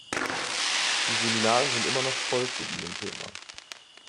Die Seminare sind immer noch voll zu diesem Thema.